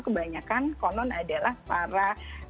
kebanyakan konon adalah para